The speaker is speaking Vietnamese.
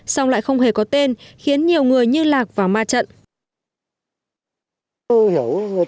song lại không hề có tên khiến nhiều người như lạc và ma trang